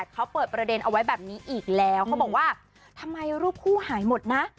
เขาเปิดประเด็นเอาไว้แบบนี้อีกแล้วเขาบอกว่าทำไมรูปคู่หายหมดนะ